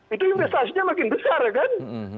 itu investasinya makin besar kan